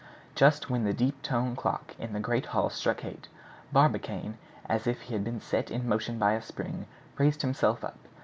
Just when the deep toned clock in the great hall struck eight, Barbicane, as if he had been set in motion by a spring, raised himself up.